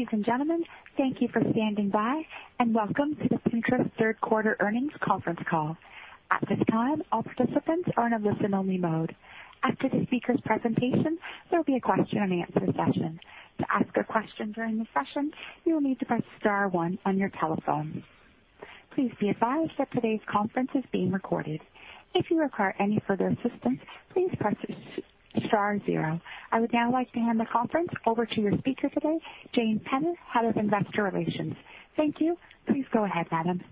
Ladies and gentlemen, thank you for standing by, and welcome to the Pinterest third quarter earnings conference call. At this time, all participants are in a listen-only mode. After the speakers' presentation, there'll be a question-and-answer session. To ask a question during the session, you'll need to press star one on your telephone. Please be advised that today's conference is being recorded. If you require any further assistance, please press star zero. I would now like to hand the conference over to your speaker today, Jane Penner, head of investor relations. Thank you. Please go ahead, madam.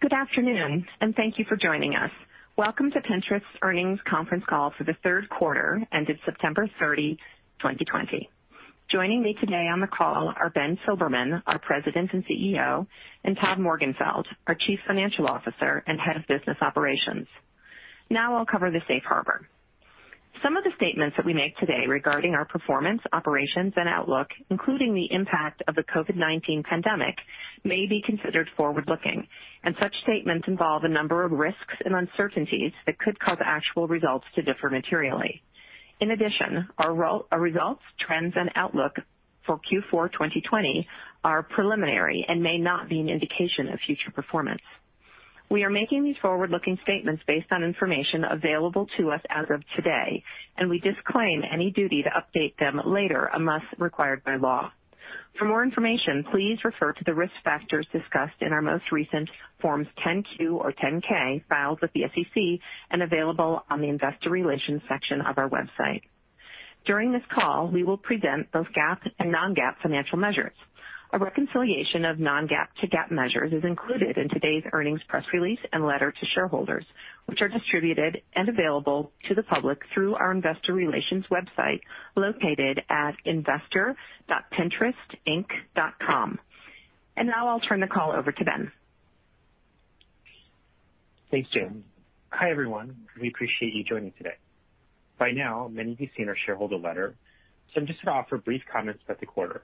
Good afternoon, and thank you for joining us. Welcome to Pinterest's earnings conference call for the third quarter ended September 30, 2020. Joining me today on the call are Ben Silbermann, our president and CEO; and Todd Morgenfeld, our chief financial officer and head of business operations. I'll cover the safe harbor. Some of the statements that we make today regarding our performance, operations, and outlook, including the impact of the COVID-19 pandemic, may be considered forward-looking, and such statements involve a number of risks and uncertainties that could cause actual results to differ materially. In addition, our results, trends, and outlook for Q4 2020 are preliminary and may not be an indication of future performance. We are making these forward-looking statements based on information available to us as of today, and we disclaim any duty to update them later unless required by law. For more information, please refer to the risk factors discussed in our most recent Forms 10-Q or 10-K filed with the SEC and available on the investor relations section of our website. During this call, we will present both GAAP and non-GAAP financial measures. A reconciliation of non-GAAP to GAAP measures is included in today's earnings press release and letter to shareholders, which are distributed and available to the public through our investor relations website located at investor.pinterestinc.com. Now I'll turn the call over to Ben. Thanks, Jane. Hi, everyone. We appreciate you joining today. By now, many of you have seen our shareholder letter. I'm just going to offer brief comments about the quarter.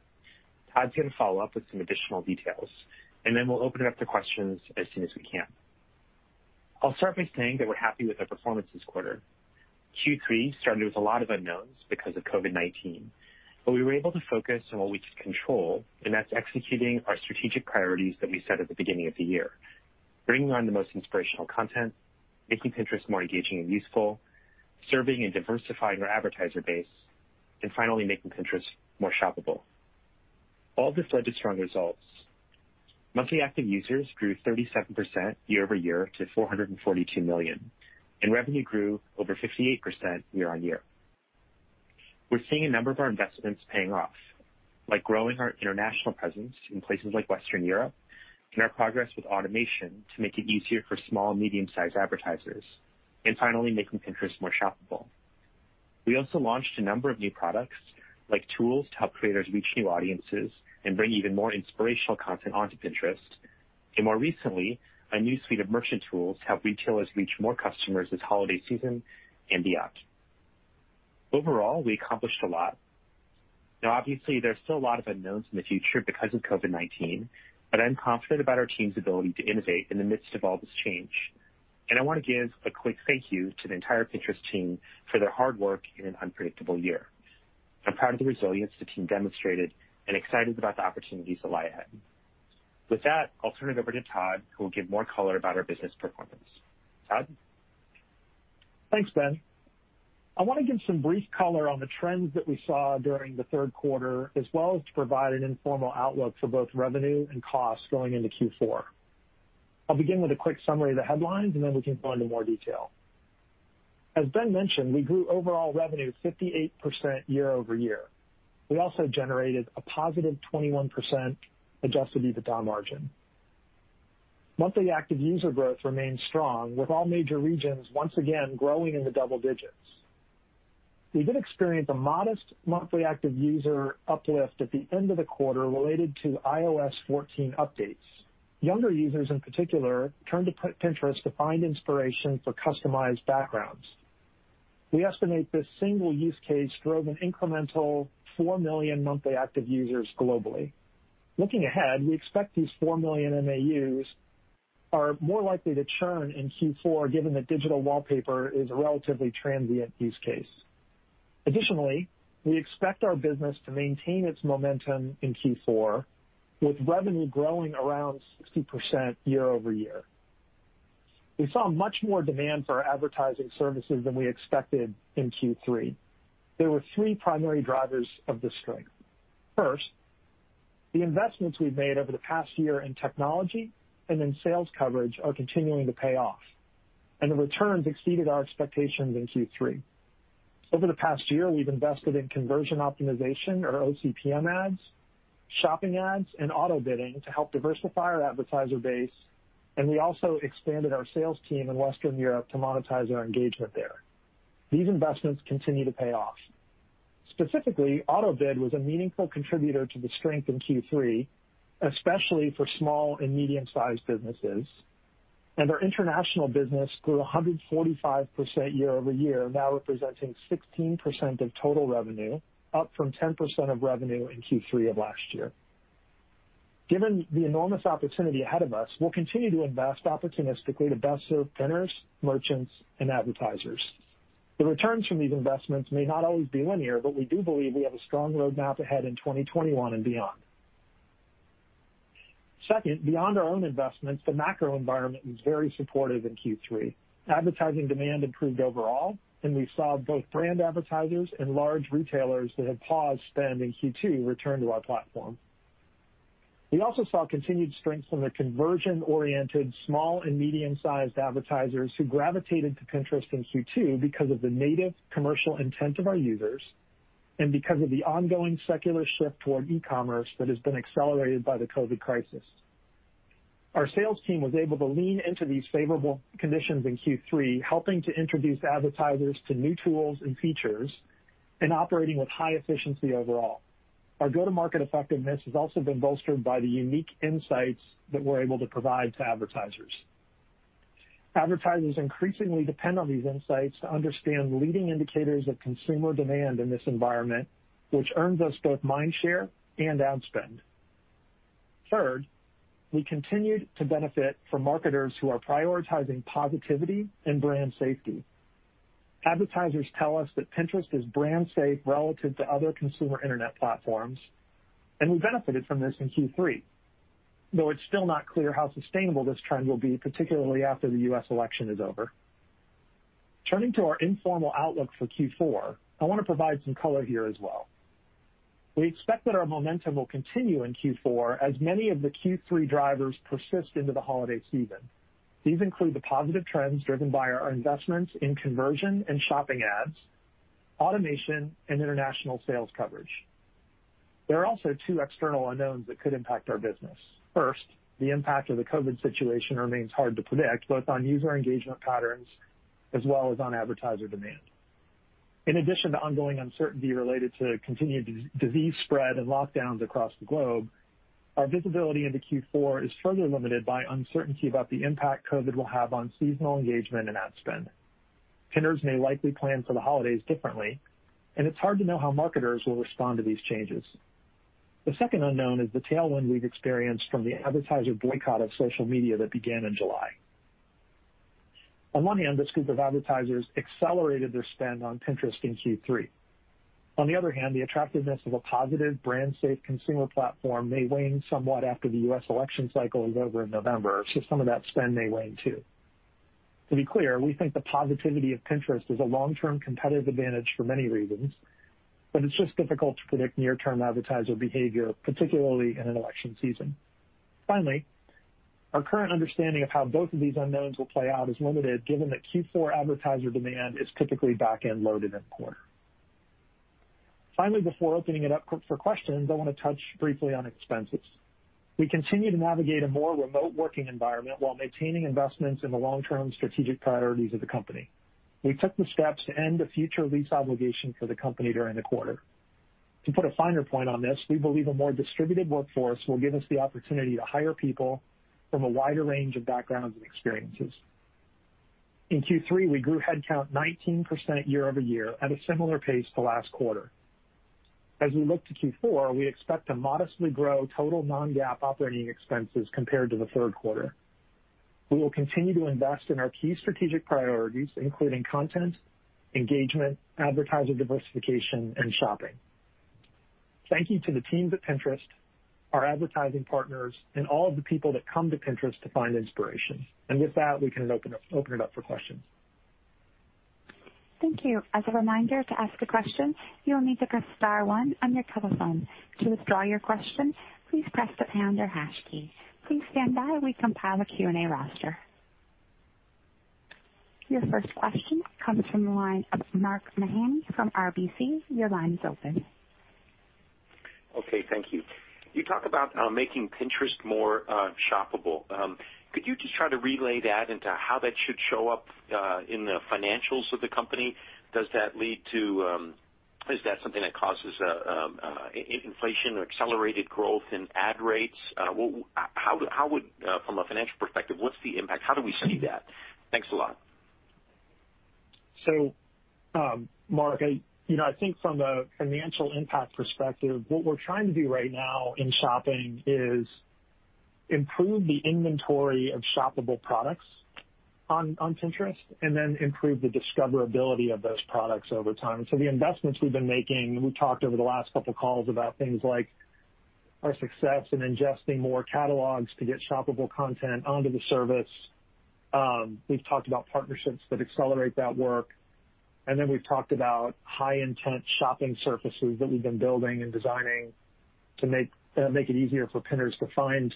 Todd's going to follow up with some additional details. We'll open it up to questions as soon as we can. I'll start by saying that we're happy with our performance this quarter. Q3 started with a lot of unknowns because of COVID-19. We were able to focus on what we could control, and that's executing our strategic priorities that we set at the beginning of the year, bringing on the most inspirational content, making Pinterest more engaging and useful, serving and diversifying our advertiser base, and finally, making Pinterest more shoppable. All of this led to strong results. Monthly active users grew 37% year-over-year to 442 million. Revenue grew over 58% year-on-year. We're seeing a number of our investments paying off, like growing our international presence in places like Western Europe and our progress with automation to make it easier for small and medium-sized advertisers and, finally, making Pinterest more shoppable. We also launched a number of new products, like tools to help creators reach new audiences and bring even more inspirational content onto Pinterest, and more recently, a new suite of merchant tools to help retailers reach more customers this holiday season and beyond. Overall, we accomplished a lot. Obviously, there's still a lot of unknowns in the future because of COVID-19, but I'm confident about our team's ability to innovate in the midst of all this change. I want to give a quick thank you to the entire Pinterest team for their hard work in an unpredictable year. I'm proud of the resilience the team demonstrated and excited about the opportunities that lie ahead. With that, I'll turn it over to Todd, who will give more color about our business performance. Todd? Thanks, Ben. I want to give some brief color on the trends that we saw during the third quarter, as well as to provide an informal outlook for both revenue and costs going into Q4. I'll begin with a quick summary of the headlines, and then we can go into more detail. As Ben mentioned, we grew overall revenue 58% year-over-year. We also generated a +21% adjusted EBITDA margin. Monthly active user growth remains strong, with all major regions once again growing in the double digits. We did experience a modest monthly active user uplift at the end of the quarter related to iOS 14 updates. Younger users in particular turned to Pinterest to find inspiration for customized backgrounds. We estimate this single use case drove an incremental 4 million monthly active users globally. Looking ahead, we expect these 4 million MAUs are more likely to churn in Q4 given that digital wallpaper is a relatively transient use case. Additionally, we expect our business to maintain its momentum in Q4, with revenue growing around 60% year-over-year. We saw much more demand for our advertising services than we expected in Q3. There were three primary drivers of this strength. First, the investments we've made over the past year in technology and in sales coverage are continuing to pay off, and the returns exceeded our expectations in Q3. Over the past year, we've invested in conversion optimization or OCPM ads, shopping ads, and auto-bidding to help diversify our advertiser base, and we also expanded our sales team in Western Europe to monetize our engagement there. These investments continue to pay off. Specifically, auto-bid was a meaningful contributor to the strength in Q3, especially for small and medium-sized businesses, and our international business grew 145% year-over-year, now representing 16% of total revenue, up from 10% of revenue in Q3 of last year. Given the enormous opportunity ahead of us, we'll continue to invest opportunistically to best serve Pinners, merchants, and advertisers. The returns from these investments may not always be linear, but we do believe we have a strong roadmap ahead in 2021 and beyond. Second, beyond our own investments, the macro environment was very supportive in Q3. Advertising demand improved overall, and we saw both brand advertisers and large retailers that had paused spend in Q2 return to our platform. We also saw continued strength from the conversion-oriented small and medium-sized advertisers who gravitated to Pinterest in Q2 because of the native commercial intent of our users and because of the ongoing secular shift toward e-commerce that has been accelerated by the COVID crisis. Our sales team was able to lean into these favorable conditions in Q3, helping to introduce advertisers to new tools and features and operating with high efficiency overall. Our go-to-market effectiveness has also been bolstered by the unique insights that we're able to provide to advertisers. Advertisers increasingly depend on these insights to understand leading indicators of consumer demand in this environment, which earns us both mind share and ad spend. Third, we continued to benefit from marketers who are prioritizing positivity and brand safety. Advertisers tell us that Pinterest is brand safe relative to other consumer internet platforms, and we benefited from this in Q3, though it's still not clear how sustainable this trend will be, particularly after the U.S. election is over. Turning to our informal outlook for Q4, I want to provide some color here as well. We expect that our momentum will continue in Q4 as many of the Q3 drivers persist into the holiday season. These include the positive trends driven by our investments in conversion and shopping ads, automation, and international sales coverage. There are also two external unknowns that could impact our business. First, the impact of the COVID situation remains hard to predict, both on user engagement patterns as well as on advertiser demand. In addition to ongoing uncertainty related to continued disease spread and lockdowns across the globe, our visibility into Q4 is further limited by uncertainty about the impact COVID will have on seasonal engagement and ad spend. Pinners may likely plan for the holidays differently, and it's hard to know how marketers will respond to these changes. The second unknown is the tailwind we've experienced from the advertiser boycott of social media that began in July. On one hand, this group of advertisers accelerated their spend on Pinterest in Q3. On the other hand, the attractiveness of a positive brand-safe consumer platform may wane somewhat after the U.S. election cycle is over in November, so some of that spend may wane, too. To be clear, we think the positivity of Pinterest is a long-term competitive advantage for many reasons, but it's just difficult to predict near-term advertiser behavior, particularly in an election season. Finally, our current understanding of how both of these unknowns will play out is limited given that Q4 advertiser demand is typically back-end loaded in the quarter. Finally, before opening it up for questions, I want to touch briefly on expenses. We continue to navigate a more remote working environment while maintaining investments in the long-term strategic priorities of the company. We took the steps to end a future lease obligation for the company during the quarter. To put a finer point on this, we believe a more distributed workforce will give us the opportunity to hire people from a wider range of backgrounds and experiences. In Q3, we grew headcount 19% year over year at a similar pace to last quarter. As we look to Q4, we expect to modestly grow total non-GAAP operating expenses compared to the third quarter. We will continue to invest in our key strategic priorities, including content, engagement, advertiser diversification, and shopping. Thank you to the teams at Pinterest, our advertising partners, and all of the people that come to Pinterest to find inspiration. With that, we can open it up for questions. Thank you. As a reminder to ask a question, you'll need to press star one on your telephone. To withdraw your question, please press the pound or hash key. Please standby as we compile the Q&A roster. Your first question comes from the line of Mark Mahaney from RBC. Your line is open. Okay, thank you. You talk about making Pinterest more shoppable. Could you just try to relay that into how that should show up in the financials of the company? Is that something that causes inflation or accelerated growth in ad rates? From a financial perspective, what's the impact? How do we see that? Thanks a lot. Mark, I think from the financial impact perspective, what we're trying to do right now in shopping is improve the inventory of shoppable products on Pinterest and then improve the discoverability of those products over time. The investments we've been making, we've talked over the last couple of calls about things like our success in ingesting more catalogs to get shoppable content onto the service. We've talked about partnerships that accelerate that work, and then we've talked about high-intent shopping surfaces that we've been building and designing to make it easier for Pinners to find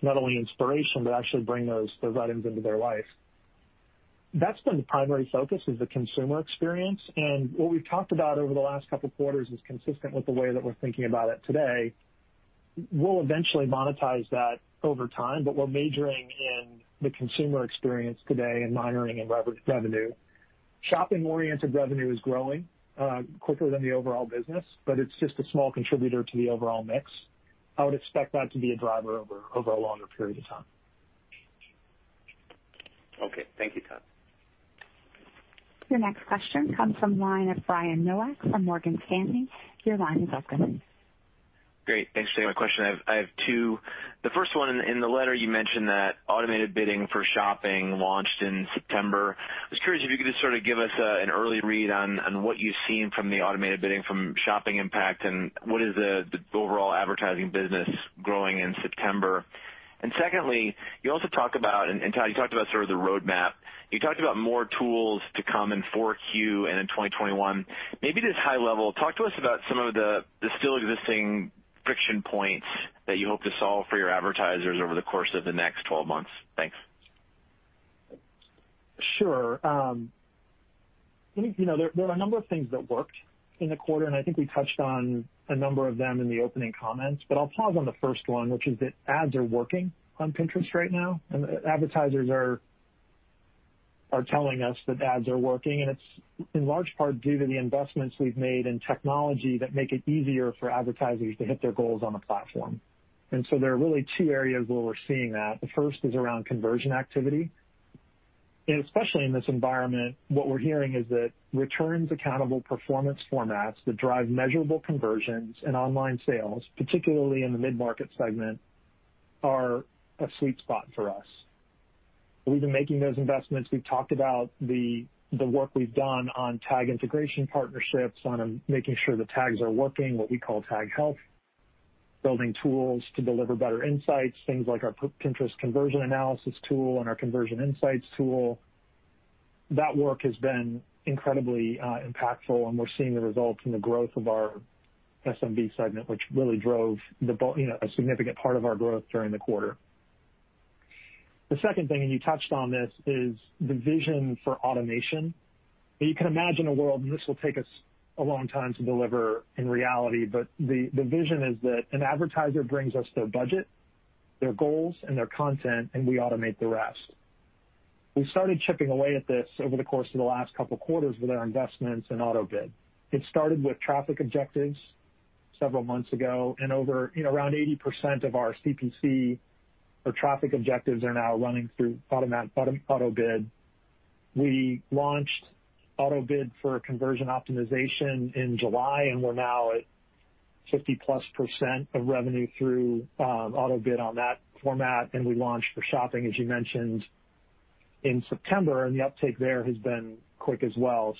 not only inspiration, but actually bring those items into their life. That's been the primary focus, is the consumer experience, and what we've talked about over the last couple of quarters is consistent with the way that we're thinking about it today. We'll eventually monetize that over time, but we're majoring in the consumer experience today and minoring in revenue. Shopping-oriented revenue is growing quicker than the overall business, but it's just a small contributor to the overall mix. I would expect that to be a driver over a longer period of time. Okay. Thank you, Todd. Your next question comes from the line of Brian Nowak from Morgan Stanley. Your line is open. Great. Thanks. I have a question. I have two. The first one, in the letter you mentioned that automated bidding for shopping launched in September. I was curious if you could just sort of give us an early read on what you've seen from the automated bidding from shopping impact and what is the overall advertising business growing in September. Secondly, you also talked about, and Todd, you talked about sort of the roadmap. You talked about more tools to come in 4Q and in 2021. Maybe just high level, talk to us about some of the still existing friction points that you hope to solve for your advertisers over the course of the next 12 months. Thanks. Sure. There were a number of things that worked in the quarter, and I think we touched on a number of them in the opening comments, but I'll pause on the first one, which is that ads are working on Pinterest right now, and advertisers are telling us that ads are working, and it's in large part due to the investments we've made in technology that make it easier for advertisers to hit their goals on the platform. There are really two areas where we're seeing that. The first is around conversion activity, and especially in this environment, what we're hearing is that returns accountable performance formats that drive measurable conversions and online sales, particularly in the mid-market segment, are a sweet spot for us. We've been making those investments. We've talked about the work we've done on tag integration partnerships, on making sure the tags are working, what we call tag health, building tools to deliver better insights, things like our Pinterest Conversion Analysis tool and our Conversion Insights tool. That work has been incredibly impactful and we're seeing the results in the growth of our SMB segment, which really drove a significant part of our growth during the quarter. The second thing, and you touched on this, is the vision for automation. You can imagine a world, and this will take us a long time to deliver in reality, but the vision is that an advertiser brings us their budget, their goals, and their content, and we automate the rest. We started chipping away at this over the course of the last couple of quarters with our investments in auto-bid. It started with traffic objectives several months ago. Around 80% of our CPC or traffic objectives are now running through auto-bid. We launched auto-bid for conversion optimization in July. We're now at 50%+ of revenue through auto-bid on that format. We launched for shopping, as you mentioned, in September. The uptake there has been quick as well.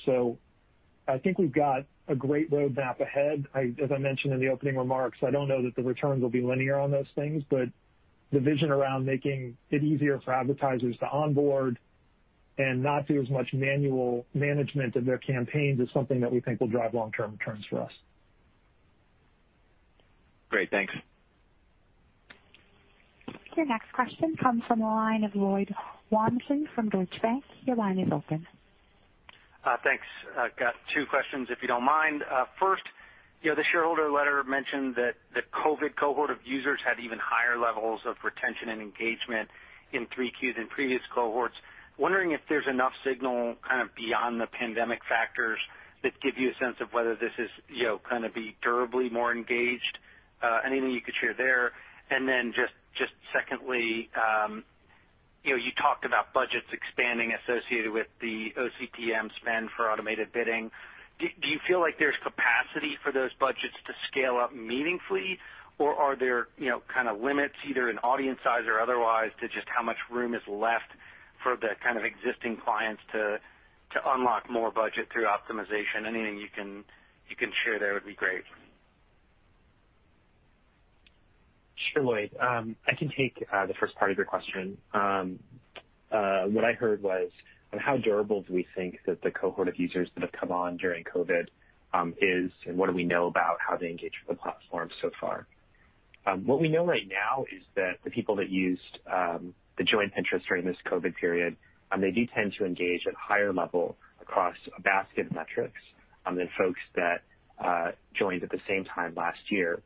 I think we've got a great roadmap ahead. As I mentioned in the opening remarks, I don't know that the returns will be linear on those things. The vision around making it easier for advertisers to onboard and not do as much manual management of their campaigns is something that we think will drive long-term returns for us. Great. Thanks. Your next question comes from the line of Lloyd Walmsley from Deutsche Bank. Your line is open. Thanks. I've got two questions, if you don't mind. First, the shareholder letter mentioned that the COVID cohort of users had even higher levels of retention and engagement in Q3 than previous cohorts. Wondering if there's enough signal kind of beyond the pandemic factors that give you a sense of whether this is kind of be durably more engaged. Anything you could share there? Secondly, you talked about budgets expanding associated with the OCPM spend for automated bidding. Do you feel like there's capacity for those budgets to scale up meaningfully, or are there kind of limits, either in audience size or otherwise, to just how much room is left for the kind of existing clients to unlock more budget through optimization? Anything you can share there would be great. Sure, Lloyd. I can take the first part of your question. What I heard was on how durable do we think that the cohort of users that have come on during COVID is, and what do we know about how they engage with the platform so far? What we know right now is that the people that joined Pinterest during this COVID period, they do tend to engage at higher level across a basket of metrics than folks that joined at the same time last year.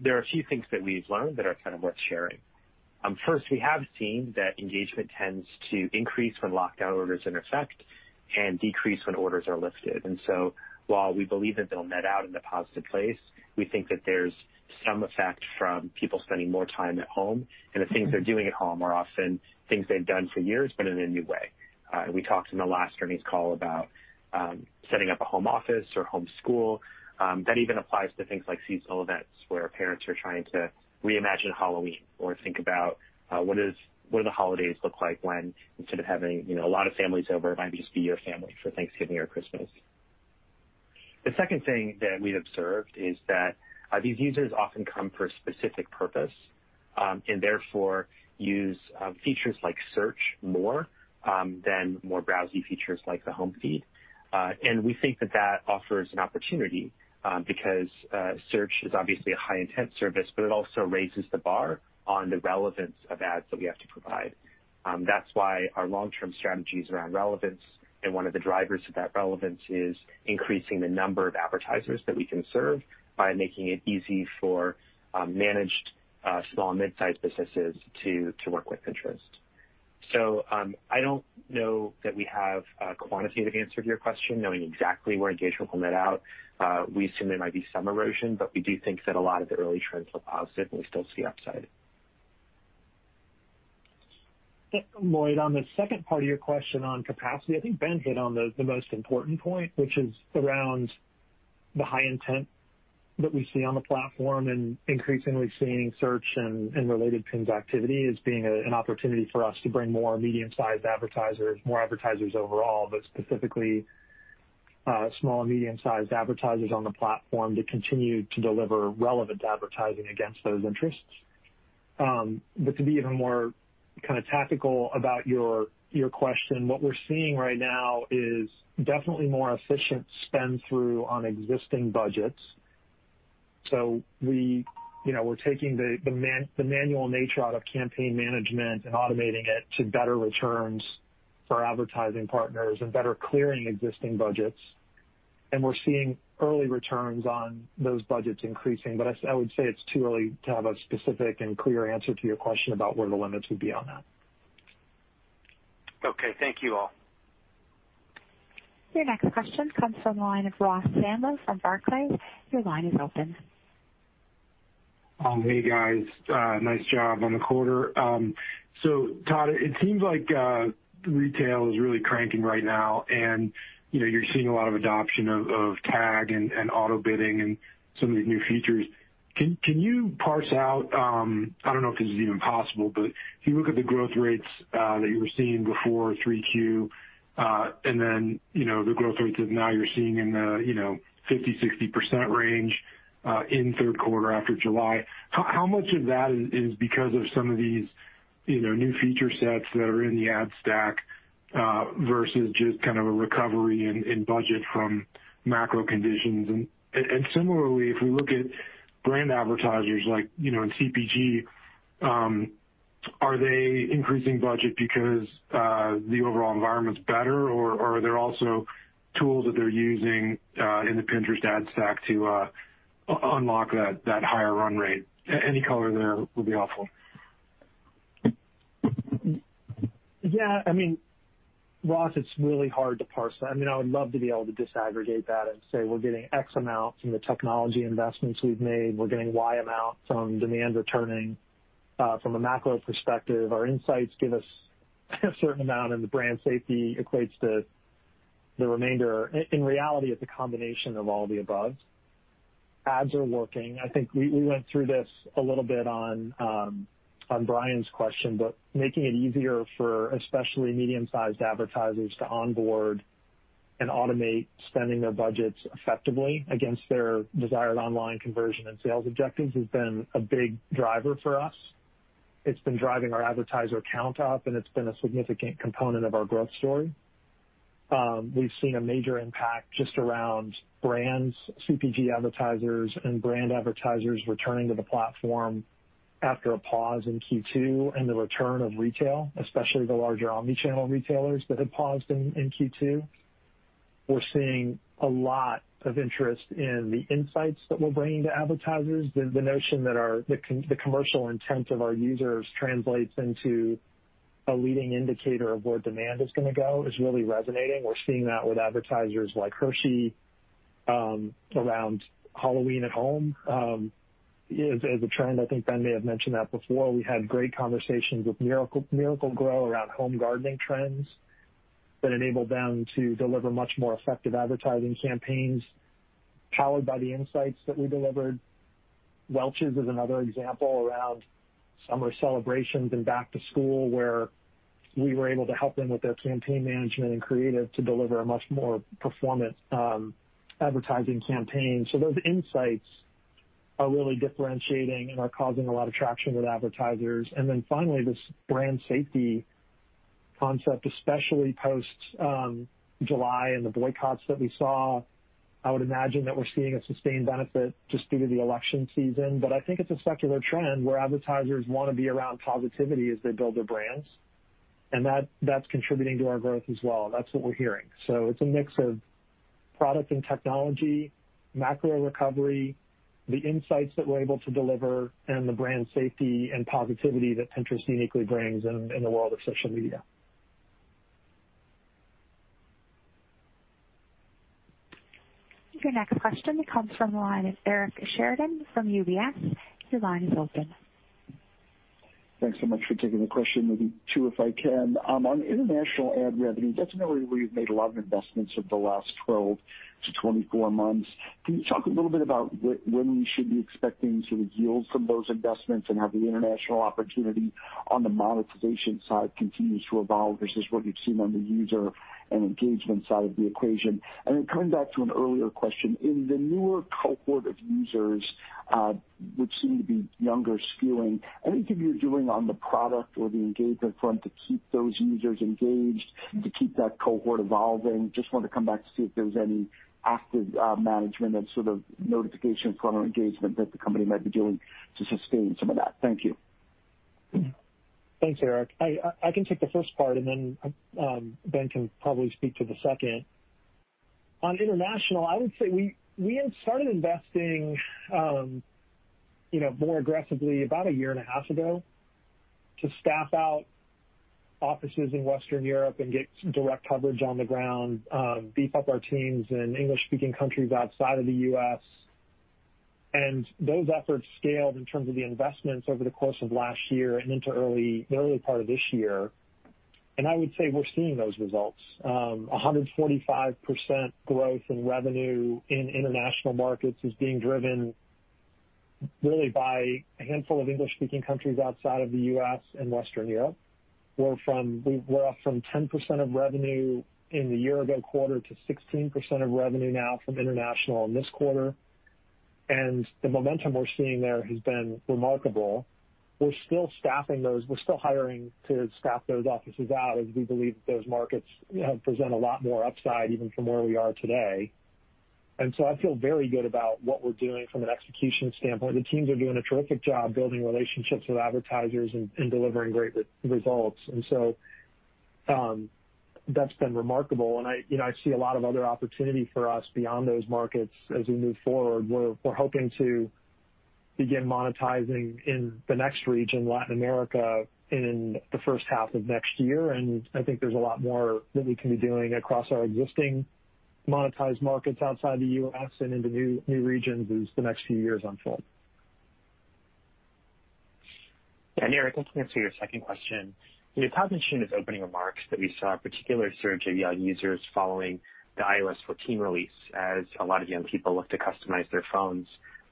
There are a few things that we've learned that are kind of worth sharing. First, we have seen that engagement tends to increase when lockdown orders are in effect and decrease when orders are lifted. While we believe that they'll net out in a positive place, we think that there's some effect from people spending more time at home, and the things they're doing at home are often things they've done for years, but in a new way. We talked in the last earnings call about setting up a home office or home school. That even applies to things like seasonal events where parents are trying to reimagine Halloween or think about what do the holidays look like when instead of having a lot of families over, it might just be your family for Thanksgiving or Christmas. The second thing that we've observed is that these users often come for a specific purpose, and therefore use features like Search more than more browsy features like the home feed. We think that that offers an opportunity because search is obviously a high intent service, but it also raises the bar on the relevance of ads that we have to provide. That's why our long-term strategy is around relevance, and one of the drivers of that relevance is increasing the number of advertisers that we can serve by making it easy for managed small and mid-size businesses to work with Pinterest. I don't know that we have a quantitative answer to your question, knowing exactly where engagement will net out. We assume there might be some erosion, but we do think that a lot of the early trends look positive and we still see upside. Lloyd, on the second part of your question on capacity, I think Ben hit on the most important point, which is around the high intent that we see on the platform and increasingly seeing search and related pins activity as being an opportunity for us to bring more medium-sized advertisers, more advertisers overall, but specifically small and medium-sized advertisers on the platform to continue to deliver relevant advertising against those interests. To be even more tactical about your question, what we're seeing right now is definitely more efficient spend-through on existing budgets. We're taking the manual nature out of campaign management and automating it to better returns for advertising partners and better clearing existing budgets. We're seeing early returns on those budgets increasing. I would say it's too early to have a specific and clear answer to your question about where the limits would be on that. Okay. Thank you all. Your next question comes from the line of Ross Sandler from Barclays. Your line is open. Hey, guys. Nice job on the quarter. Todd, it seems like retail is really cranking right now, and you're seeing a lot of adoption of tag and auto-bidding and some of these new features. Can you parse out, I don't know if this is even possible, but if you look at the growth rates that you were seeing before 3Q and then the growth rates that now you're seeing in the 50%-60% range in third quarter after July, how much of that is because of some of these new feature sets that are in the ad stack versus just kind of a recovery in budget from macro conditions? Similarly, if we look at brand advertisers like in CPG, are they increasing budget because the overall environment's better or are there also tools that they're using in the Pinterest ad stack to unlock that higher run rate? Any color there would be helpful. Yeah. Ross, it's really hard to parse that. I would love to be able to disaggregate that and say we're getting X amount from the technology investments we've made. We're getting Y amount from demand returning from a macro perspective. Our insights give us a certain amount. The brand safety equates to the remainder. In reality, it's a combination of all the above. Ads are working. I think we went through this a little bit on Brian's question. Making it easier for especially medium-sized advertisers to onboard and automate spending their budgets effectively against their desired online conversion and sales objectives has been a big driver for us. It's been driving our advertiser count up. It's been a significant component of our growth story. We've seen a major impact just around brands, CPG advertisers, and brand advertisers returning to the platform after a pause in Q2 and the return of retail, especially the larger omni-channel retailers that had paused in Q2. We're seeing a lot of interest in the insights that we're bringing to advertisers. The notion that the commercial intent of our users translates into a leading indicator of where demand is going to go is really resonating. We're seeing that with advertisers like Hershey around Halloween at home as a trend. I think Ben may have mentioned that before. We had great conversations with Miracle-Gro around home gardening trends that enabled them to deliver much more effective advertising campaigns powered by the insights that we delivered. Welch's is another example around summer celebrations and back to school, where we were able to help them with their campaign management and creative to deliver a much more performant advertising campaign. Those insights are really differentiating and are causing a lot of traction with advertisers. This brand safety concept, especially post July and the boycotts that we saw, I would imagine that we're seeing a sustained benefit just due to the election season. I think it's a secular trend where advertisers want to be around positivity as they build their brands, and that's contributing to our growth as well. That's what we're hearing. It's a mix of product and technology, macro recovery, the insights that we're able to deliver, and the brand safety and positivity that Pinterest uniquely brings in the world of social media. Your next question comes from the line of Eric Sheridan from UBS. Your line is open. Thanks so much for taking the question. Maybe two, if I can. On international ad revenue, that's an area where you've made a lot of investments over the last 12-24 months. Can you talk a little bit about when we should be expecting sort of yields from those investments and how the international opportunity on the monetization side continues to evolve versus what you've seen on the user and engagement side of the equation? Coming back to an earlier question, in the newer cohort of users, which seem to be younger skewing, any of you are doing on the product or the engagement front to keep those users engaged and to keep that cohort evolving? Just want to come back to see if there's any active management and sort of notification front or engagement that the company might be doing to sustain some of that. Thank you. Thanks, Eric. I can take the first part, and then Ben can probably speak to the second. On international, I would say we had started investing more aggressively about a year and a half ago to staff out offices in Western Europe and get direct coverage on the ground, beef up our teams in English-speaking countries outside of the U.S. Those efforts scaled in terms of the investments over the course of last year and into the early part of this year. I would say we're seeing those results. 145% growth in revenue in international markets is being driven really by a handful of English-speaking countries outside of the U.S. and Western Europe. We're up from 10% of revenue in the year-ago quarter to 16% of revenue now from international in this quarter. The momentum we're seeing there has been remarkable. We're still hiring to staff those offices out as we believe that those markets present a lot more upside even from where we are today. I feel very good about what we're doing from an execution standpoint. The teams are doing a terrific job building relationships with advertisers and delivering great results. That's been remarkable, and I see a lot of other opportunity for us beyond those markets as we move forward. We're hoping to begin monetizing in the next region, Latin America, in the first half of next year, and I think there's a lot more that we can be doing across our existing monetized markets outside the U.S. and into new regions as the next few years unfold. Eric, looking for your second question, in Todd's initial opening remarks that we saw a particular surge of young users following the iOS 14 release as a lot of young people look to customize their phones.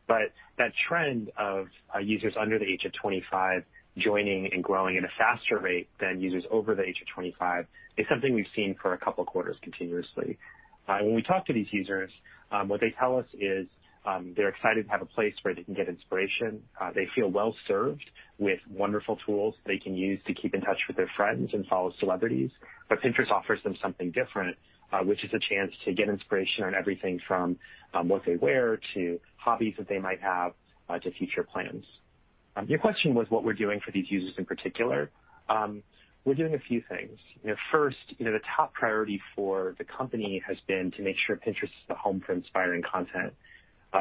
That trend of users under the age of 25 joining and growing at a faster rate than users over the age of 25 is something we've seen for a couple of quarters continuously. When we talk to these users, what they tell us is they're excited to have a place where they can get inspiration. They feel well-served with wonderful tools they can use to keep in touch with their friends and follow celebrities. Pinterest offers them something different, which is a chance to get inspiration on everything from what they wear, to hobbies that they might have, to future plans. Your question was what we're doing for these users in particular. We're doing a few things. First, the top priority for the company has been to make sure Pinterest is the home for inspiring content.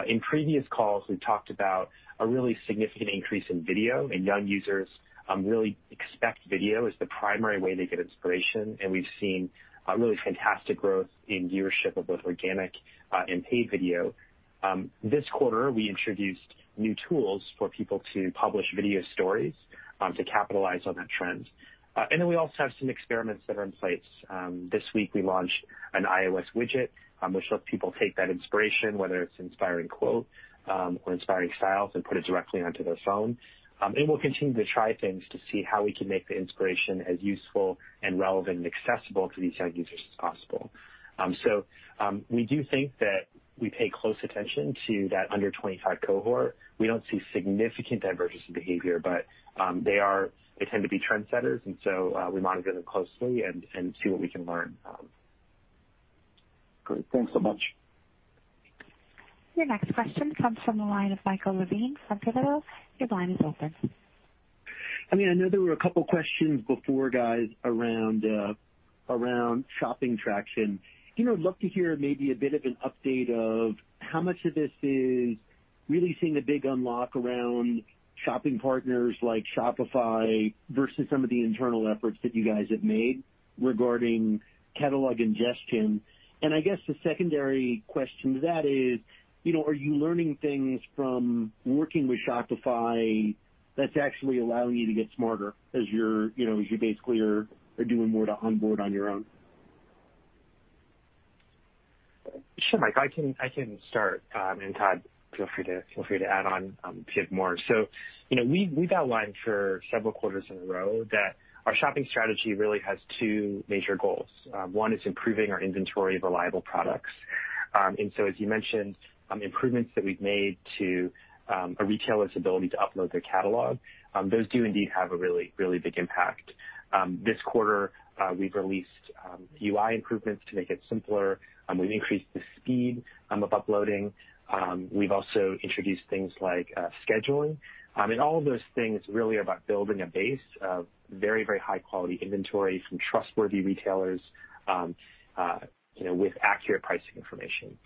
In previous calls, we've talked about a really significant increase in video, and young users really expect video as the primary way they get inspiration, and we've seen a really fantastic growth in viewership of both organic and paid video. This quarter, we introduced new tools for people to publish video stories to capitalize on that trend. We also have some experiments that are in place. This week we launched an iOS widget, which lets people take that inspiration, whether it's inspiring quote or inspiring styles, and put it directly onto their phone. We'll continue to try things to see how we can make the inspiration as useful and relevant and accessible to these young users as possible. We do think that we pay close attention to that under 25 cohort. We don't see significant divergences in behavior, but they tend to be trendsetters, and so we monitor them closely and see what we can learn. Great. Thanks so much. Your next question comes from the line of Michael Levine, Pivotal. Your line is open. I know there were a couple questions before, guys, around shopping traction. I'd love to hear maybe a bit of an update of how much of this is really seeing a big unlock around shopping partners like Shopify versus some of the internal efforts that you guys have made regarding catalog ingestion. I guess the secondary question to that is, are you learning things from working with Shopify that's actually allowing you to get smarter as you basically are doing more to onboard on your own? Sure, Michael, I can start, and Todd, feel free to add on if you have more. We've outlined for several quarters in a row that our shopping strategy really has two major goals. One is improving our inventory of reliable products. As you mentioned, improvements that we've made to a retailer's ability to upload their catalog, those do indeed have a really big impact. This quarter, we've released UI improvements to make it simpler, and we've increased the speed of uploading. We've also introduced things like scheduling. All of those things really are about building a base of very high-quality inventory from trustworthy retailers with accurate pricing information.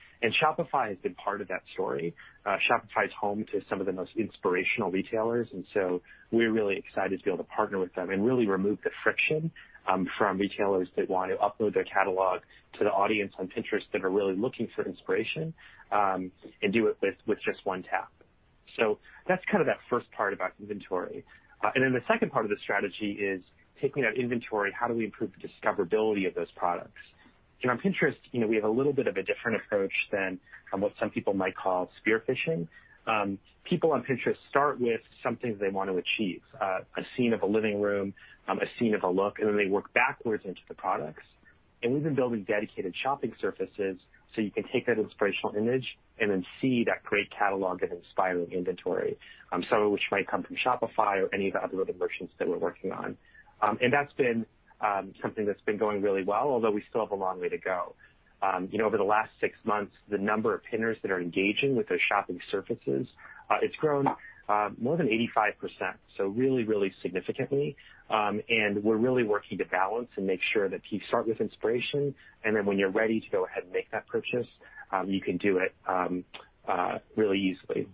Shopify has been part of that story. Shopify is home to some of the most inspirational retailers. We're really excited to be able to partner with them and really remove the friction from retailers that want to upload their catalog to the audience on Pinterest that are really looking for inspiration, and do it with just one tap. That's kind of that first part about inventory. Then the second part of the strategy is taking that inventory, how do we improve the discoverability of those products? On Pinterest, we have a little bit of a different approach than what some people might call spear fishing. People on Pinterest start with something they want to achieve, a scene of a living room, a scene of a look, and then they work backwards into the products. We've been building dedicated shopping surfaces so you can take that inspirational image and then see that great catalog of inspiring inventory, some of which might come from Shopify or any of the other merchants that we're working on. That's been something that's been going really well, although we still have a long way to go. Over the last six months, the number of pinners that are engaging with those shopping surfaces, it's grown more than 85%, so really significantly. We're really working to balance and make sure that you start with inspiration, and then when you're ready to go ahead and make that purchase, you can do it really easily.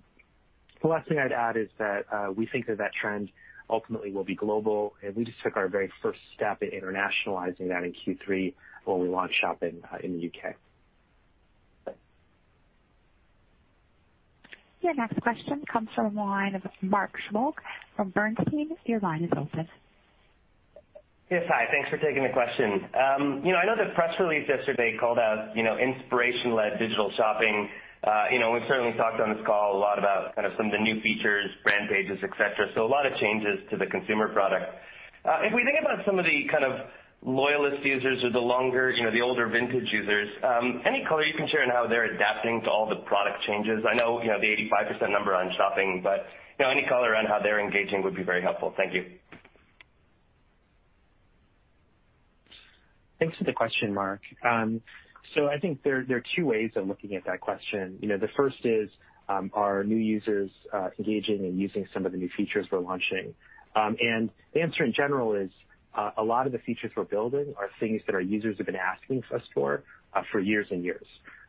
The last thing I'd add is that we think that trend ultimately will be global, and we just took our very first step in internationalizing that in Q3 when we launched shopping in the U.K. Your next question comes from the line of Mark Shmulik from Bernstein. Your line is open. Yes, hi. Thanks for taking the question. I know the press release yesterday called out inspiration-led digital shopping. We've certainly talked on this call a lot about kind of some of the new features, brand pages, et cetera, so a lot of changes to the consumer product. If we think about some of the kind of loyalist users or the older vintage users, any color you can share on how they're adapting to all the product changes? I know the 85% number on shopping, any color around how they're engaging would be very helpful. Thank you. Thanks for the question, Mark. I think there are two ways of looking at that question. The first is, are new users engaging and using some of the new features we're launching? The answer, in general, is a lot of the features we're building are things that our users have been asking us for years and years.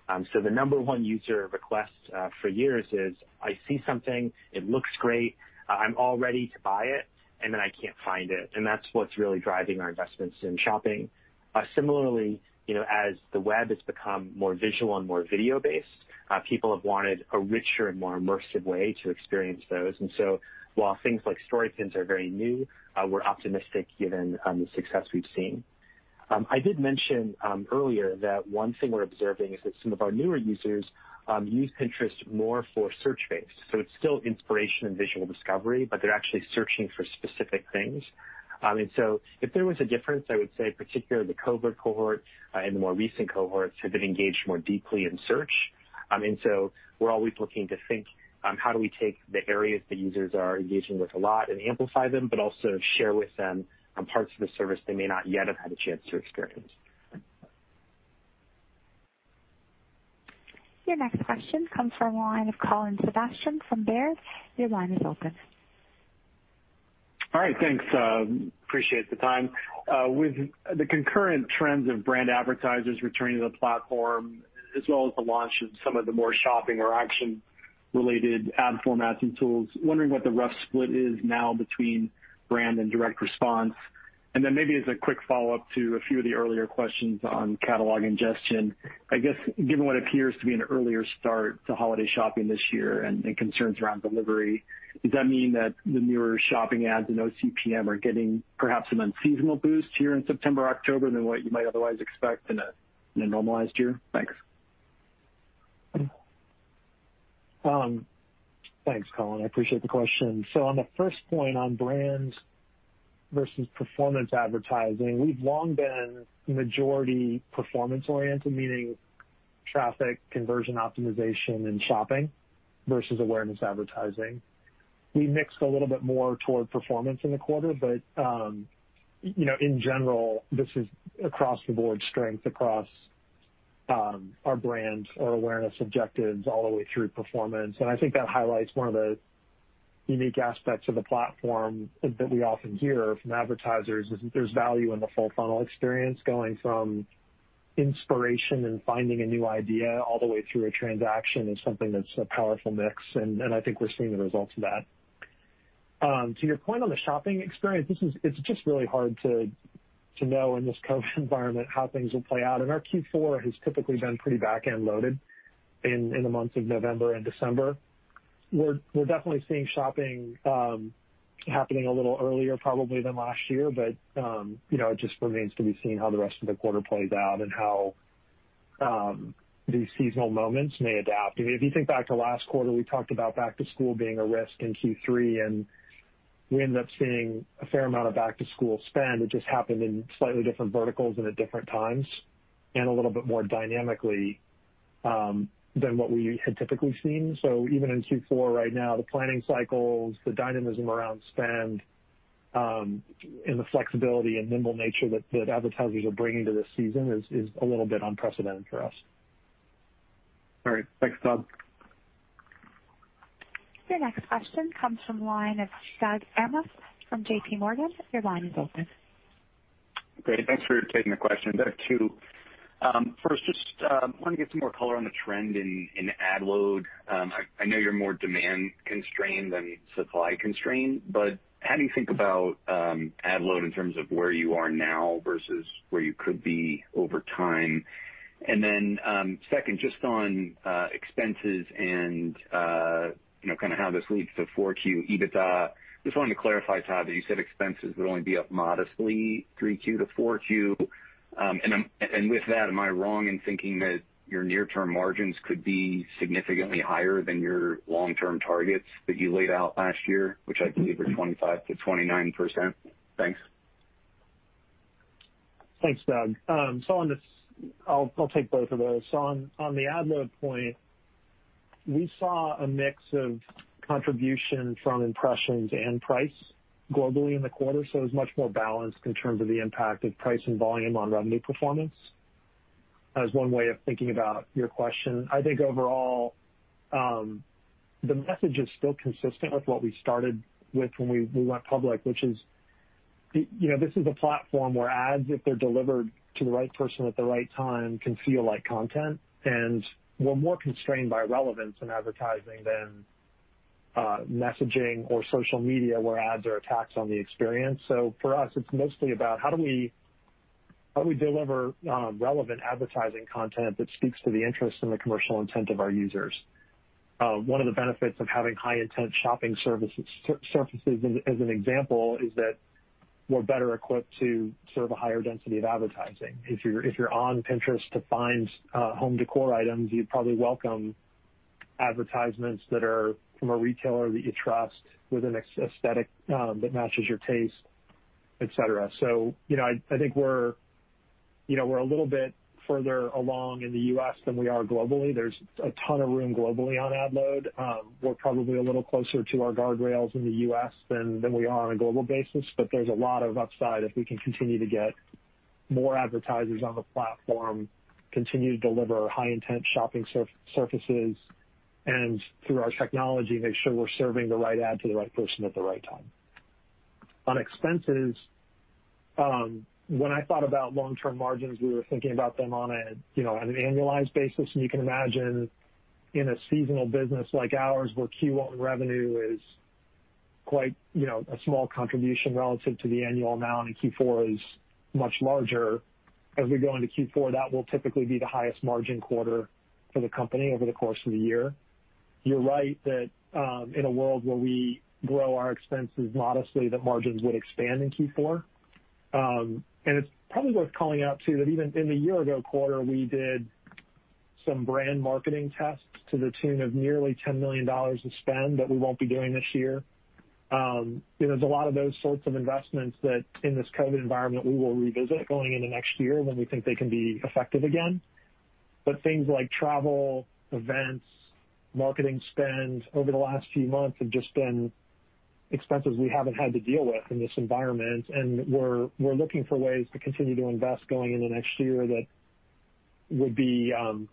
The number one user request for years is, "I see something, it looks great, I'm all ready to buy it, and then I can't find it." That's what's really driving our investments in shopping. Similarly, as the web has become more visual and more video-based, people have wanted a richer and more immersive way to experience those. While things like Story Pins are very new, we're optimistic given the success we've seen. I did mention earlier that one thing we're observing is that some of our newer users use Pinterest more for search-based. It's still inspiration and visual discovery, but they're actually searching for specific things. If there was a difference, I would say particularly the COVID cohort and the more recent cohorts have been engaged more deeply in search. We're always looking to think, how do we take the areas that users are engaging with a lot and amplify them, but also share with them parts of the service they may not yet have had a chance to experience. Your next question comes from the line of Colin Sebastian from Baird. Your line is open. All right. Thanks. Appreciate the time. With the concurrent trends of brand advertisers returning to the platform as well as the launch of some of the more shopping or action-related ad formats and tools, wondering what the rough split is now between brand and direct response. Then maybe as a quick follow-up to a few of the earlier questions on catalog ingestion, I guess given what appears to be an earlier start to holiday shopping this year and concerns around delivery, does that mean that the newer shopping ads and OCPM are getting perhaps an unseasonal boost here in September, October than what you might otherwise expect in a normalized year? Thanks. Thanks, Colin. I appreciate the question. On the first point on brands versus performance advertising, we've long been majority performance oriented, meaning traffic conversion optimization and shopping versus awareness advertising. We mixed a little bit more toward performance in the quarter, but in general, this is across the board strength across our brand, our awareness objectives, all the way through performance. I think that highlights one of the unique aspects of the platform that we often hear from advertisers is that there's value in the full funnel experience. Going from inspiration and finding a new idea all the way through a transaction is something that's a powerful mix, and I think we're seeing the results of that. To your point on the shopping experience, it's just really hard to know in this COVID environment how things will play out, and our Q4 has typically been pretty back-end loaded in the months of November and December. We're definitely seeing shopping happening a little earlier probably than last year, but it just remains to be seen how the rest of the quarter plays out and how these seasonal moments may adapt. If you think back to last quarter, we talked about back to school being a risk in Q3, and we ended up seeing a fair amount of back-to-school spend. It just happened in slightly different verticals and at different times, and a little bit more dynamically than what we had typically seen. Even in Q4 right now, the planning cycles, the dynamism around spend, and the flexibility and nimble nature that advertisers are bringing to this season is a little bit unprecedented for us. All right. Thanks, Todd. Your next question comes from the line of Doug Anmuth from J.P. Morgan. Your line is open. Great. Thanks for taking the question. There are two. First, just wanted to get some more color on the trend in ad load. How do you think about ad load in terms of where you are now versus where you could be over time? Second, just on expenses and kind of how this leads to 4Q EBITDA, just wanted to clarify, Todd, that you said expenses would only be up modestly 3Q to 4Q. With that, am I wrong in thinking that your near-term margins could be significantly higher than your long-term targets that you laid out last year, which I believe are 25%-29%? Thanks. Thanks, Doug. I'll take both of those. On the ad load point, we saw a mix of contribution from impressions and price globally in the quarter, so it was much more balanced in terms of the impact of price and volume on revenue performance. As one way of thinking about your question, I think overall, the message is still consistent with what we started with when we went public. This is a platform where ads, if they're delivered to the right person at the right time, can feel like content. We're more constrained by relevance in advertising than messaging or social media, where ads are a tax on the experience. For us, it's mostly about how do we deliver relevant advertising content that speaks to the interests and the commercial intent of our users? One of the benefits of having high-intent shopping surfaces, as an example, is that we're better equipped to serve a higher density of advertising. If you're on Pinterest to find home decor items, you'd probably welcome advertisements that are from a retailer that you trust with an aesthetic that matches your taste, et cetera. I think we're a little bit further along in the U.S. than we are globally. There's a ton of room globally on ad load. We're probably a little closer to our guardrails in the U.S. than we are on a global basis, but there's a lot of upside if we can continue to get more advertisers on the platform, continue to deliver high-intent shopping surfaces, and through our technology, make sure we're serving the right ad to the right person at the right time. On expenses, when I thought about long-term margins, we were thinking about them on an annualized basis. You can imagine in a seasonal business like ours, where Q1 revenue is quite a small contribution relative to the annual amount, and Q4 is much larger. As we go into Q4, that will typically be the highest margin quarter for the company over the course of the year. You're right that in a world where we grow our expenses modestly, that margins would expand in Q4. It's probably worth calling out, too, that even in the year-ago quarter, we did some brand marketing tests to the tune of nearly $10 million in spend that we won't be doing this year. There's a lot of those sorts of investments that in this COVID-19 environment, we will revisit going into next year when we think they can be effective again. Things like travel, events, marketing spend over the last few months have just been expenses we haven't had to deal with in this environment, and we're looking for ways to continue to invest going into next year that would be on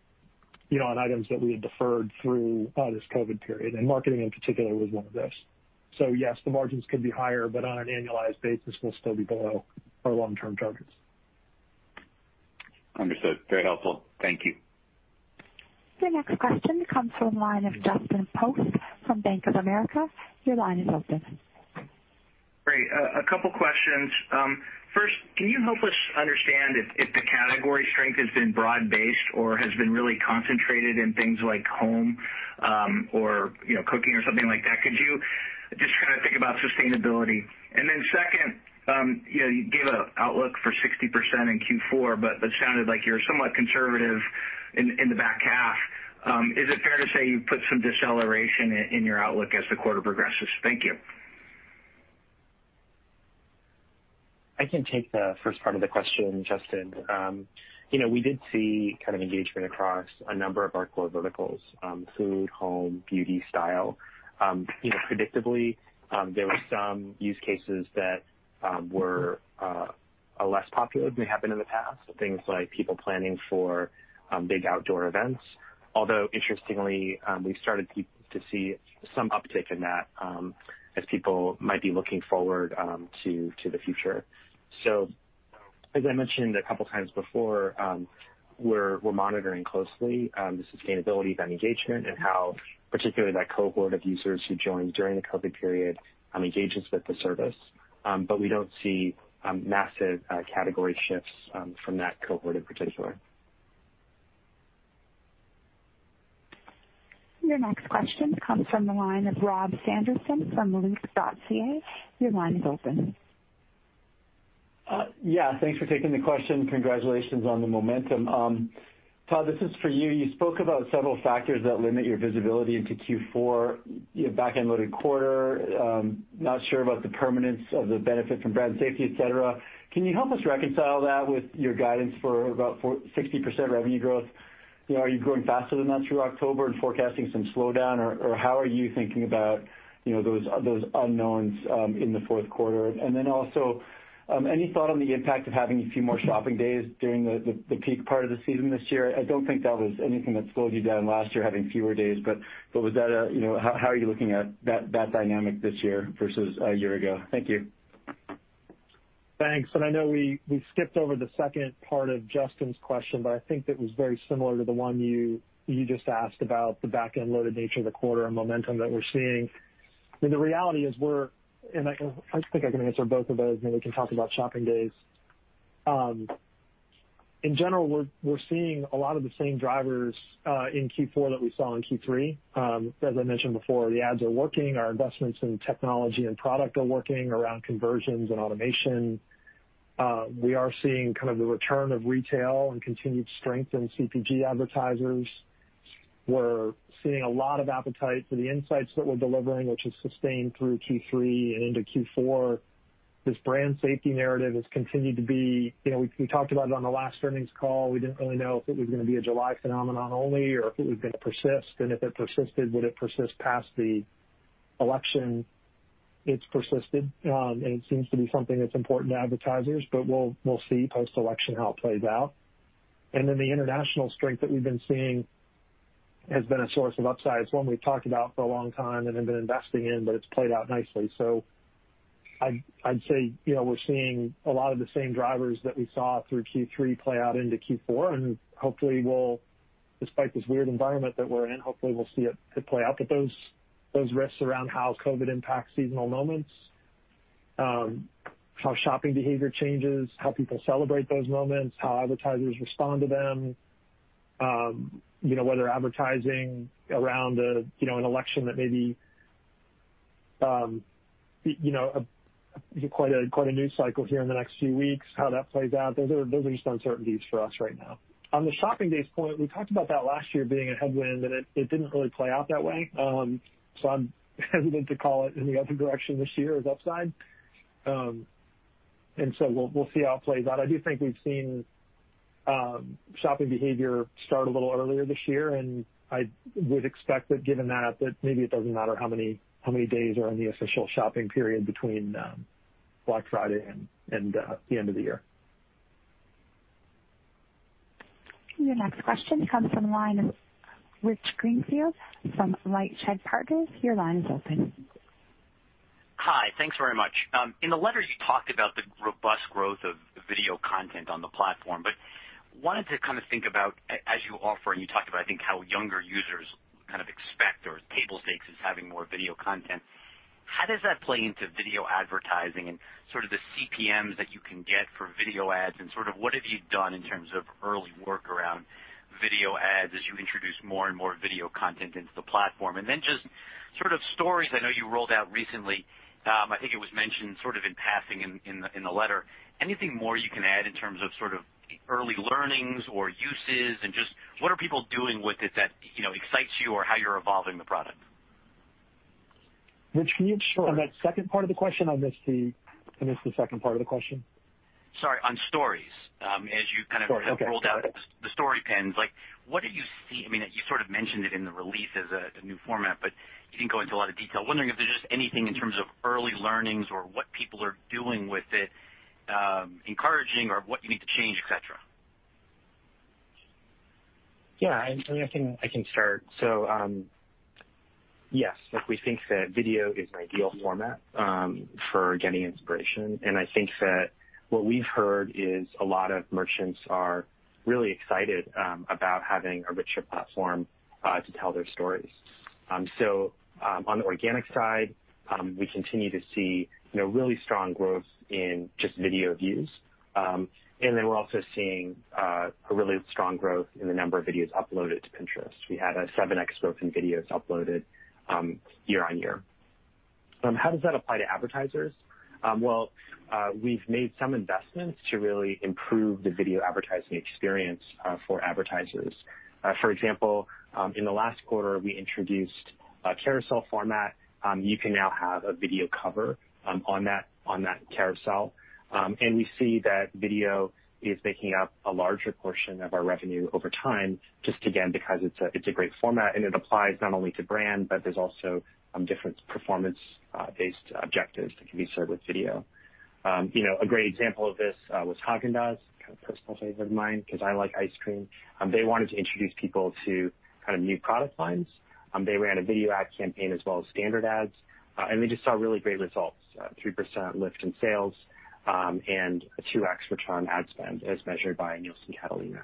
items that we had deferred through this COVID-19 period. Marketing, in particular, was one of those. Yes, the margins could be higher, but on an annualized basis, we'll still be below our long-term targets. Understood. Very helpful. Thank you. Your next question comes from the line of Justin Post from Bank of America. Your line is open. Great. A couple questions. First, can you help us understand if the category strength has been broad-based or has been really concentrated in things like home or cooking or something like that? Could you just kind of think about sustainability? Second, you gave an outlook for 60% in Q4, but it sounded like you were somewhat conservative in the back half. Is it fair to say you've put some deceleration in your outlook as the quarter progresses? Thank you. I can take the first part of the question, Justin. We did see kind of engagement across a number of our core verticals, food, home, beauty, style. Predictably, there were some use cases that were less popular than they have been in the past. Things like people planning for big outdoor events. Interestingly, we've started to see some uptick in that as people might be looking forward to the future. As I mentioned a couple times before, we're monitoring closely the sustainability of that engagement and how particularly that cohort of users who joined during the COVID period engages with the service. We don't see massive category shifts from that cohort in particular. Your next question comes from the line of Rob Sanderson from Loop Capital. Your line is open. Thanks for taking the question. Congratulations on the momentum. Todd, this is for you. You spoke about several factors that limit your visibility into Q4, your back-end loaded quarter, not sure about the permanence of the benefit from brand safety, et cetera. Can you help us reconcile that with your guidance for about 60% revenue growth? Are you growing faster than that through October and forecasting some slowdown, or how are you thinking about those unknowns in the fourth quarter? Also, any thought on the impact of having a few more shopping days during the peak part of the season this year? I don't think that was anything that slowed you down last year, having fewer days. How are you looking at that dynamic this year versus a year ago? Thank you. Thanks. I know we skipped over the second part of Justin's question, but I think that was very similar to the one you just asked about the back-end loaded nature of the quarter and momentum that we're seeing. I think I can answer both of those, and then we can talk about shopping days. In general, we're seeing a lot of the same drivers in Q4 that we saw in Q3. As I mentioned before, the ads are working. Our investments in technology and product are working around conversions and automation. We are seeing kind of the return of retail and continued strength in CPG advertisers. We're seeing a lot of appetite for the insights that we're delivering, which has sustained through Q3 and into Q4. This brand safety narrative has continued to be. We talked about it on the last earnings call. We didn't really know if it was going to be a July phenomenon only or if it was going to persist, and if it persisted, would it persist past the election? It's persisted, and it seems to be something that's important to advertisers, but we'll see post-election how it plays out. The international strength that we've been seeing Has been a source of upsides, one we've talked about for a long time and have been investing in, it's played out nicely. I'd say we're seeing a lot of the same drivers that we saw through Q3 play out into Q4, and despite this weird environment that we're in, hopefully we'll see it play out. Those risks around how COVID impacts seasonal moments, how shopping behavior changes, how people celebrate those moments, how advertisers respond to them whether advertising around an election that maybe quite a news cycle here in the next few weeks, how that plays out, those are just uncertainties for us right now. On the shopping days point, we talked about that last year being a headwind, and it didn't really play out that way. I'm hesitant to call it in the other direction this year as upside. We'll see how it plays out. I do think we've seen shopping behavior start a little earlier this year, and I would expect that given that maybe it doesn't matter how many days are in the official shopping period between Black Friday and the end of the year. Your next question comes from the line of Rich Greenfield from LightShed Partners. Your line is open. Hi. Thanks very much. In the letter, you talked about the robust growth of video content on the platform, but wanted to think about as you offer and you talked about, I think how younger users kind of expect or table stakes is having more video content. How does that play into video advertising and sort of the CPMs that you can get for video ads and sort of what have you done in terms of early work around video ads as you introduce more and more video content into the platform? Then just sort of Stories I know you rolled out recently. I think it was mentioned sort of in passing in the letter. Anything more you can add in terms of sort of early learnings or uses and just what are people doing with it that excites you or how you're evolving the product? Rich, can you repeat on that second part of the question? I missed the second part of the question. Sorry. On Stories. Sorry. Okay. Have rolled out the Story Pins, what do you see? You sort of mentioned it in the release as a new format, but you didn't go into a lot of detail. Wondering if there's just anything in terms of early learnings or what people are doing with it, encouraging or what you need to change, et cetera? Yeah. I can start. Yes, we think that video is an ideal format for getting inspiration, and I think that what we've heard is a lot of merchants are really excited about having a richer platform to tell their stories. On the organic side, we continue to see really strong growth in just video views. We're also seeing a really strong growth in the number of videos uploaded to Pinterest. We had a 7x growth in videos uploaded year-on-year. How does that apply to advertisers? Well, we've made some investments to really improve the video advertising experience for advertisers. For example, in the last quarter, we introduced a carousel format. You can now have a video cover on that carousel. We see that video is making up a larger portion of our revenue over time, just again, because it's a great format, and it applies not only to brand, but there's also different performance-based objectives that can be served with video. A great example of this was Häagen-Dazs, kind of personal favorite of mine because I like ice cream. They wanted to introduce people to kind of new product lines. They ran a video ad campaign as well as standard ads, and they just saw really great results, 3% lift in sales, and a 2x return on ad spend as measured by Nielsen Catalina.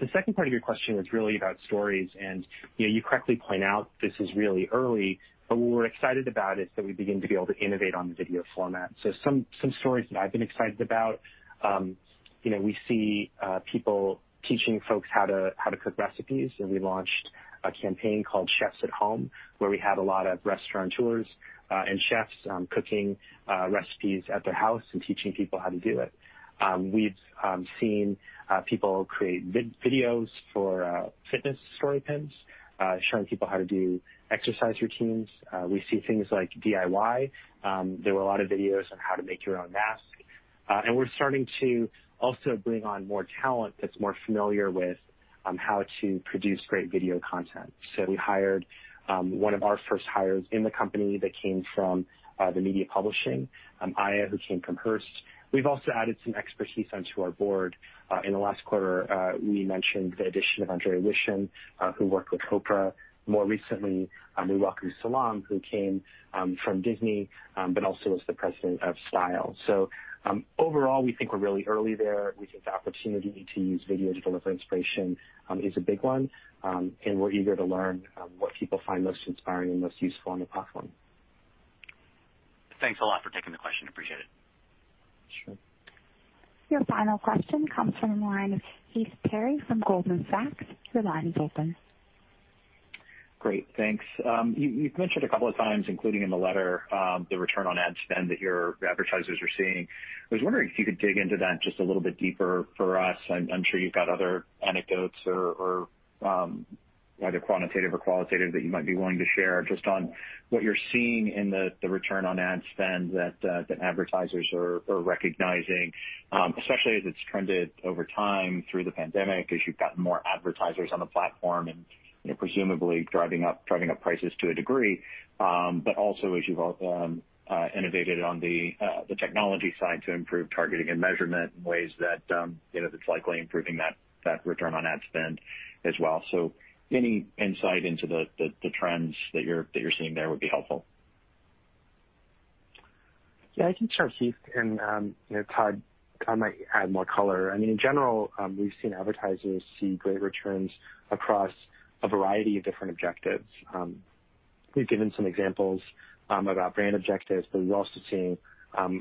The second part of your question is really about Stories, and you correctly point out this is really early, but what we're excited about is that we begin to be able to innovate on the video format. Some stories that I've been excited about we see people teaching folks how to cook recipes, and we launched a campaign called Chefs at Home, where we had a lot of restaurateurs and chefs cooking recipes at their house and teaching people how to do it. We've seen people create videos for fitness Story Pins showing people how to do exercise routines. We see things like DIY. There were a lot of videos on how to make your own mask. We're starting to also bring on more talent that's more familiar with how to produce great video content. We hired one of our first hires in the company that came from the media publishing, Aya, who came from Hearst. We've also added some expertise onto our board. In the last quarter, we mentioned the addition of Andrea Wishom, who worked with Oprah. More recently, we welcomed Salaam, who came from Disney but also was the president of Style. Overall, we think we're really early there. We think the opportunity to use video to deliver inspiration is a big one, and we're eager to learn what people find most inspiring and most useful on the platform. Thanks a lot for taking the question. Appreciate it. Sure. Your final question comes from the line of Heath Terry from Goldman Sachs. Your line is open. Great. Thanks. You've mentioned a couple of times, including in the letter the return on ad spend that your advertisers are seeing. I was wondering if you could dig into that just a little bit deeper for us? I'm sure you've got other anecdotes or either quantitative or qualitative that you might be willing to share just on what you're seeing in the return on ad spend that advertisers are recognizing especially as it's trended over time through the pandemic, as you've gotten more advertisers on the platform and presumably driving up prices to a degree. Also as you've innovated on the technology side to improve targeting and measurement in ways that it's likely improving that return on ad spend as well. Any insight into the trends that you're seeing there would be helpful. Yeah, I can start, Heath, and Todd, I might add more color. In general, we've seen advertisers see great returns across a variety of different objectives. We've given some examples about brand objectives, but we're also seeing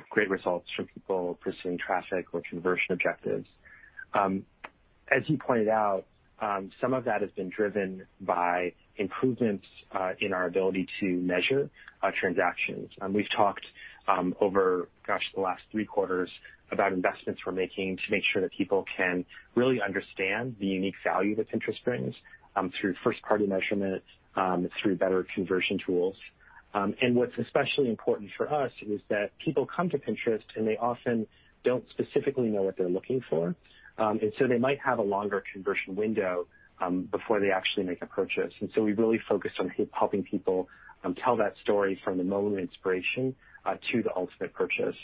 great results from people pursuing traffic or conversion objectives. As you pointed out, some of that has been driven by improvements in our ability to measure transactions. We've talked over, gosh, the last three quarters about investments we're making to make sure that people can really understand the unique value that Pinterest brings through first-party measurement, through better conversion tools. What's especially important for us is that people come to Pinterest, and they often don't specifically know what they're looking for. They might have a longer conversion window before they actually make a purchase. We've really focused on helping people tell that story from the moment of inspiration to the ultimate purchase.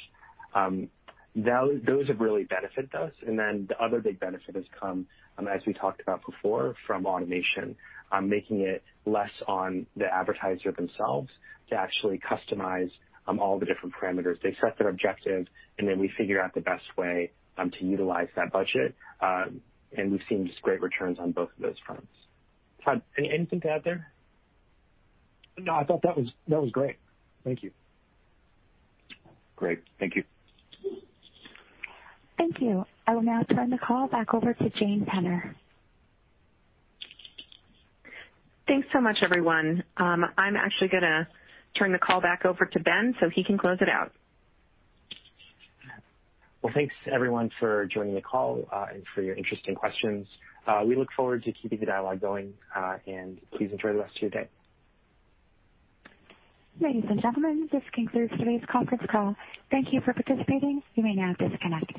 Those have really benefited us. The other big benefit has come, as we talked about before, from automation, making it less on the advertiser themselves to actually customize all the different parameters. They set their objective, then we figure out the best way to utilize that budget. We've seen just great returns on both of those fronts. Todd, anything to add there? No, I thought that was great. Thank you. Great. Thank you. Thank you. I will now turn the call back over to Jane Penner. Thanks so much, everyone. I'm actually going to turn the call back over to Ben so he can close it out. Well, thanks everyone for joining the call and for your interesting questions. We look forward to keeping the dialogue going. Please enjoy the rest of your day. Ladies and gentlemen, this concludes today's conference call. Thank you for participating. You may now disconnect.